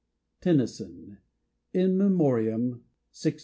Tennyson: "In Memoriam, LXIV."